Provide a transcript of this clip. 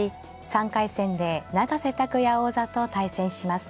３回戦で永瀬拓矢王座と対戦します。